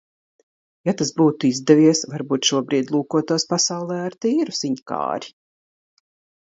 Ja tas būtu izdevies, varbūt šobrīd lūkotos pasaulē ar tīru ziņkāri.